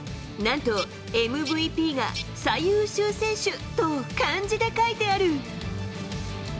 なんとＭＶＰが最優秀選手と漢字で書いてある。